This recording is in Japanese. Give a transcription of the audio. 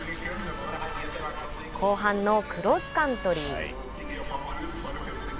後半のクロスカントリー。